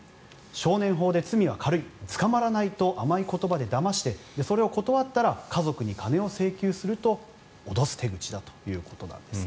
少年法で罪は軽い捕まらないと甘い言葉でだましてそれを断ったら家族に金を請求すると脅す手口だということです。